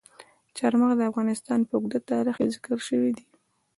چار مغز د افغانستان په اوږده تاریخ کې ذکر شوي دي.